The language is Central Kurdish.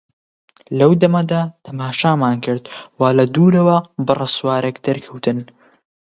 لەو دەمەدا تەماشامان کرد وا لە دوورەوە بڕە سوارێک دەرکەوتن.